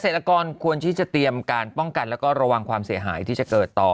กรควรที่จะเตรียมการป้องกันแล้วก็ระวังความเสียหายที่จะเกิดต่อ